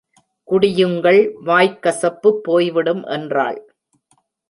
குடியுங்கள், வாய்க் கசப்பு போய்விடும் என்றாள்.